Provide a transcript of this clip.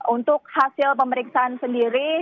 untuk hasil pemeriksaan sendiri